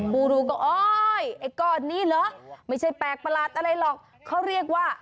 ผู้รู้ก็โอ๊ย